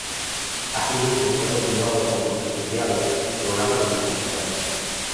Asimismo, se ha continuado con su prestigiado programa de publicaciones.